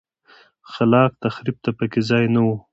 خلاق تخریب ته په کې ځای نه و.